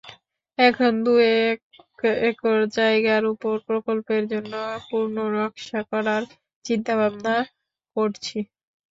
এখন হাজার দু-এক একর জায়গার ওপর প্রকল্পের জন্য পুনর্নকশা করার চিন্তাভাবনা করছি।